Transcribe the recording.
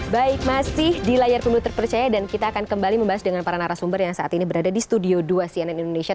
baik masih di layar pemilu terpercaya dan kita akan kembali membahas dengan para narasumber yang saat ini berada di studio dua cnn indonesia